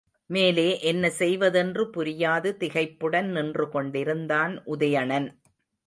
மேலே என்ன செய்வதென்று புரியாது திகைப்புடன் நின்றுகொண்டிருந்தான் உதயணன்.